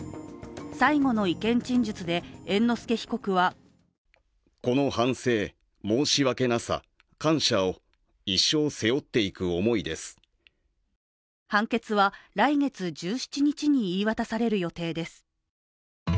最後の意見陳述で猿之助被告は判決は来月１７日に言い渡される予定です。